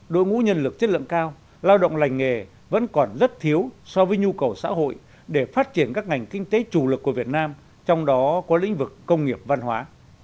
đội ngũ nhân lực chất lượng cao lao động lành nghề vẫn còn rất thiếu so với nhu cầu xã hội để phát triển các ngành kinh tế chủ lực của việt nam trong đó có lĩnh vực công nghiệp văn hóa